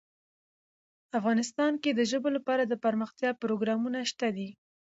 افغانستان کې د ژبو لپاره دپرمختیا پروګرامونه شته دي.